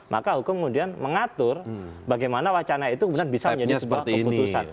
maka hukum kemudian mengatur bagaimana wacana itu kemudian bisa menjadi sebuah keputusan